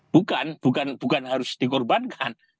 bukan bukan harus dikorbankan